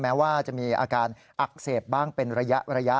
แม้ว่าจะมีอาการอักเสบบ้างเป็นระยะ